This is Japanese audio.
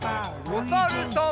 おさるさん。